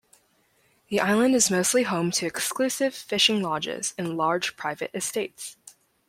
The island is mostly home to exclusive fishing lodges and large private estates.